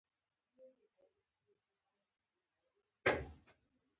زه د خوب وخت نه خرابوم.